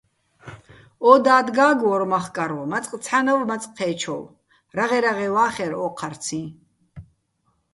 ო დად გა́გვო́რ მახკარვ, მაწყ ცჰ̦ანავ, მაწყ ჴე́ჩოვ, რაღე-რაღე ვა́ხერ ო́ჴარციჼ.